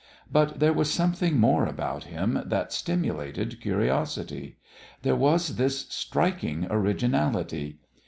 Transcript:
But there was something more about him that stimulated curiosity. There was this striking originality.